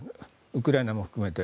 ウクライナも含めて。